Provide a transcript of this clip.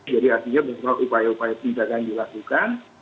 jadi artinya berapa upaya upaya pindahkan dilakukan